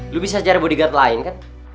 lo bisa cari bodyguard lain kan